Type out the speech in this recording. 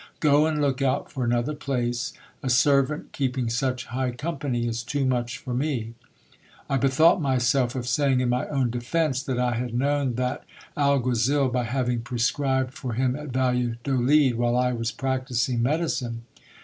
Go and look out for another place. A servant keeping such high company is too much for me. I bethought myself of saying, in my own defence, that I had known that alguazil, by having prescribed for him at Valladolid, while I was practising medicine.